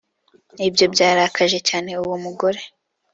Ibyo byarakaje cyane uwo mugore